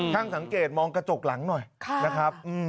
ช่างสังเกตมองกระจกหลังหน่อยนะครับ